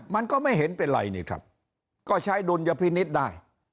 มันก็ไม่เห็นเป็นไรนี่ครับก็ใช้ดุลยพินิษฐ์ได้